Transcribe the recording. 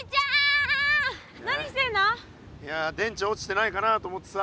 いや電池落ちてないかなと思ってさ。